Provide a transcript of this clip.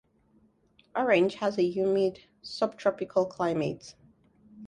Orange has a humid subtropical climate.